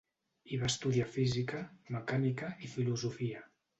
Hi va estudiar física, mecànica i filosofia.